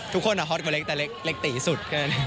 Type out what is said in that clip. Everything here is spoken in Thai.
ฮอตกว่าเล็กแต่เล็กตีสุด